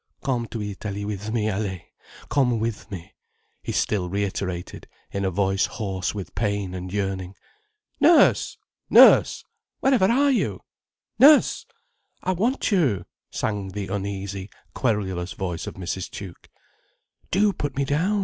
"Come to Italy with me, Allaye. Come with me," he still reiterated, in a voice hoarse with pain and yearning. "Nurse! Nurse! Wherever are you? Nurse! I want you," sang the uneasy, querulous voice of Mrs. Tuke. "Do put me down!"